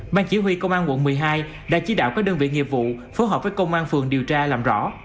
ban chỉ huy công an quận một mươi hai đã chỉ đạo các đơn vị nghiệp vụ phối hợp với công an phường điều tra làm rõ